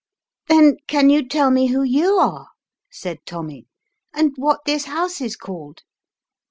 "Then can you tell me who you are," said Tommy, "and what this house is called?"